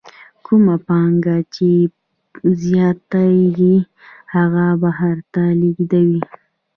کومه پانګه یې چې زیاتېږي هغه بهر ته لېږدوي